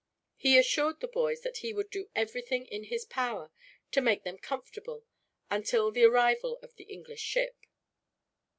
He assured the boys that he would do everything in his power to make them comfortable until the arrival of the English ship.